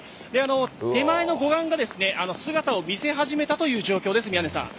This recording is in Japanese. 手前の護岸が姿を見せ始めたという状況です、宮根さん。